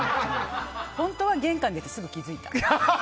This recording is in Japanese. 本当は玄関出てすぐ気付いた。